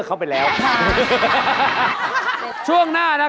กลับไปก่อนเลยนะครับ